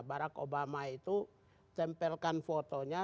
barack obama itu tempelkan fotonya